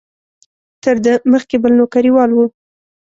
تر ده مخکې بل نوکریوال و.